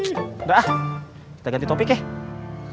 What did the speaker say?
udah ah kita ganti topik ya